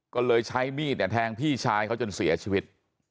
ก็เลยใช้มีดเนี่ยแทงพี่ชายเขาจนเสียชีวิต